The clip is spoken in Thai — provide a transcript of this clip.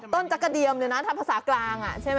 ต้นจักกะเดียมเลยนะภาษากลางใช่ไหม